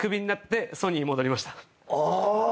ああ。